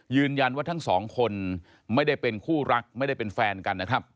ทั้งสองคนไม่ได้เป็นคู่รักไม่ได้เป็นแฟนกันนะครับ